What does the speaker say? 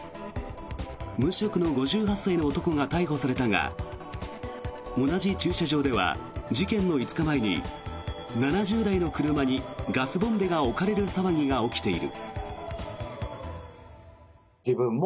無職の５８歳の男が逮捕されたが同じ駐車場では事件の５日前に、７０台の車にガスボンベが置かれる騒ぎが起きている。